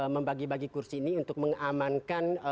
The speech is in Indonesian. membagi bagi kursi ini untuk mengamankan